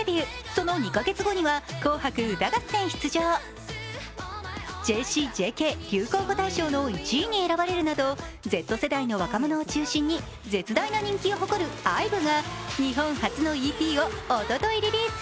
その２か月後には「紅白歌合戦」出場。ＪＣ・ＪＫ流行語大賞の１位に選ばれるなど、Ｚ世代の若者を中心に絶大な人気を誇るＩＶＥが日本初のＥＰをおとといリリース。